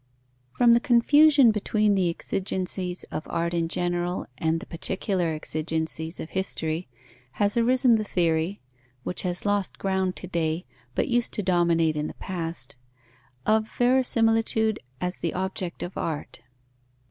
_ From the confusion between the exigencies of art in general and the particular exigencies of history has arisen the theory (which has lost ground to day, but used to dominate in the past) of verisimilitude as the object of art.